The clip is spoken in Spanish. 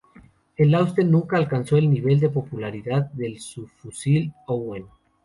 El Austen nunca alcanzó el nivel de popularidad del subfusil Owen.